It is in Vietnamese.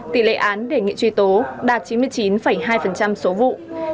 tỷ lệ án đề nghị truy tố đạt chín mươi chín hai số vụ